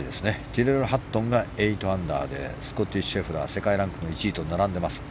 ティレル・ハットンが８アンダーでスコッティ・シェフラー世界ランク１位と並んでます。